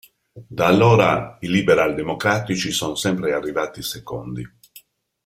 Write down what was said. Da allora i liberal democratici sono sempre arrivati secondi.